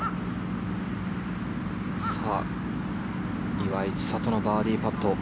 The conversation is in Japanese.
岩井千怜のバーディーパット。